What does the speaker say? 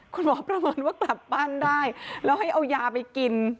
ประเมินว่ากลับบ้านได้แล้วให้เอายาไปกิน